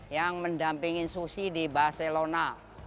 yang mendampingi susi di barcelona